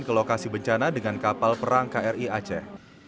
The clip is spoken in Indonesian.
ke lokasi bencana dengan kapal perang kri aceh